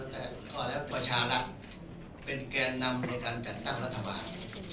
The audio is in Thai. แต่พอแล้วประชารัฐเป็นแกนนำในการจัดตั้งรัฐบาล